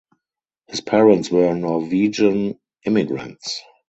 His parents were Norwegian immigrants.